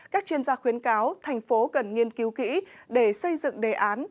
các chuyên gia khuyến cáo thành phố cần nghiên cứu kỹ để xây dựng đề án